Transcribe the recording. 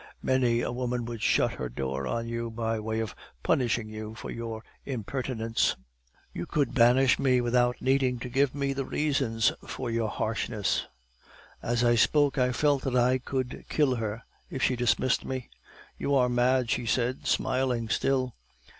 Many a woman would shut her door on you by way of punishing you for your impertinence.' "'You could banish me without needing to give me the reasons for your harshness.' As I spoke I felt that I could kill her if she dismissed me. "'You are mad,' she said, smiling still.